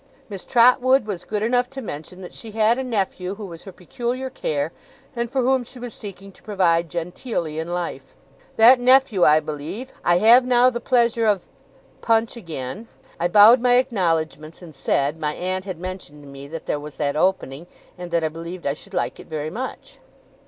Miss Trotwood was good enough to mention that she had a nephew who was her peculiar care, and for whom she was seeking to provide genteelly in life. That nephew, I believe, I have now the pleasure of' Punch again. I bowed my acknowledgements, and said, my aunt had mentioned to me that there was that opening, and that I believed I should like it very much.